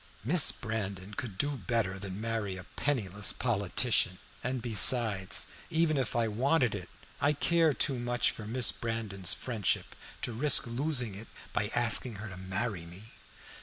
"Miss Brandon could do better than marry a penniless politician, and besides, even if I wanted it, I care too much for Miss Brandon's friendship to risk losing it by asking her to marry me."